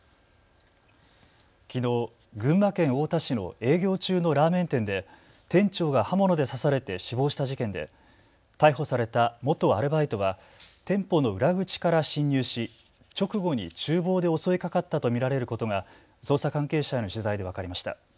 きのう群馬県太田市の営業中のラーメン店で店長が刃物で刺されて死亡した事件で逮捕された元アルバイトは店舗の裏口から侵入し、直後にちゅう房で襲いかかったと見られることが捜査関係者への取材で分かりました。